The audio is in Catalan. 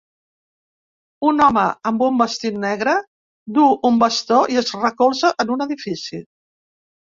Un home amb un vestit negre duu un bastó i es recolza en un edifici